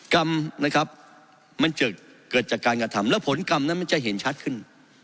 กรรมนะครับมันจะเกิดจากการกระทำแล้วผลกรรมนั้นมันจะเห็นชัดขึ้น